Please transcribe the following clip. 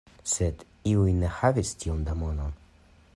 Sed iuj ne havis tiom da mono.